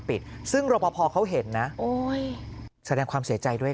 ปิดซึ่งรบพอเขาเห็นนะโอ้ยแสดงความเสียใจด้วย